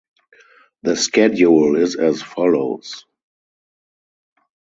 The schedule is as follows.